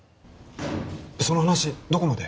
その話どこまで？